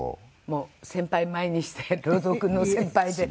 もう先輩前にして朗読の先輩で。